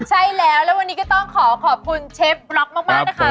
ใช่แล้วแล้ววันนี้ก็ต้องขอขอบคุณเชฟร็อกมากนะคะ